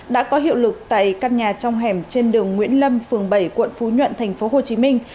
đã có hiệu lực tại căn nhà trong hẻm trên đường nguyễn lâm phường bảy quận phú nhuận thành phố hồ chí minh